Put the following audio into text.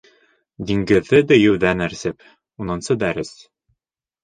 Диңгеҙҙе дейеүҙән әрсеп, Унынсы дәрес